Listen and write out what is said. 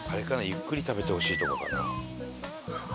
ゆっくり食べてほしいとかかな？